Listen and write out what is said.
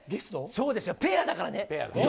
そうですよ、ペアだからね。